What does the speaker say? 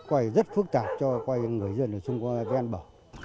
coi như rất phức tạp cho coi như người dân ở xung quanh ven bờ